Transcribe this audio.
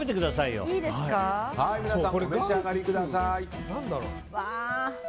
お召し上がりください。